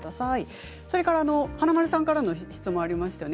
華丸さんからの質問がありましたね。